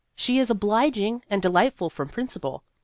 She is obliging and delightful from principle.